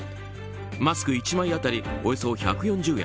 マスク１枚当たりおよそ１４０円